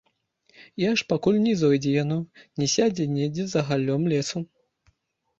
І аж пакуль не зойдзе яно, не сядзе недзе за галлём лесу.